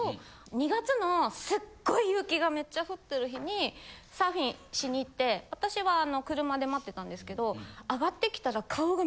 ２月のすっごい雪がめっちゃ降ってる日にサーフィンしに行って私は車で待ってたんですけど上がってきたら。